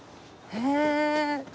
へえ。